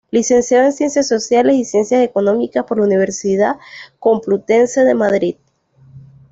Licenciado en Ciencias Sociales y Ciencias Económicas por la Universidad Complutense de Madrid.